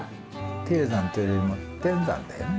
低山というよりも天山だよね。